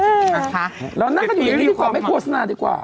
เออเรานั่งกันอยู่นิดนึงก่อนให้โฆษณาดีกว่า